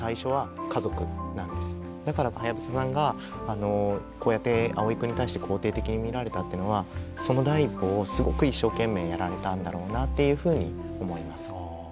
だからはやぶささんがこうやってあおいくんに対して肯定的に見られたっていうのはその第一歩をすごく一生懸命やられたんだろうなっていうふうに思います。